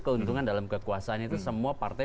keuntungan dalam kekuasaan itu semua partai